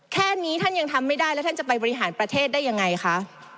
แค่นี้ท่านยังทำไม่ได้แล้วท่านจะไปบริหารประเทศได้ยังไงคะ